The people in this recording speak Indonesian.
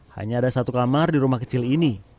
hanya ada satu kamar di rumah kecil ini